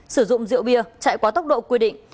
sử dụng rượu bia chạy quá tốc độ quy định